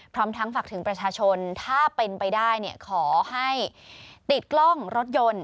พร้อมทั้งฝากถึงประชาชนถ้าเป็นไปได้ขอให้ติดกล้องรถยนต์